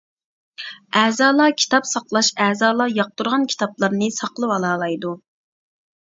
ئەزالار كىتاب ساقلاش ئەزالار ياقتۇرغان كىتابلارنى ساقلىۋالالايدۇ.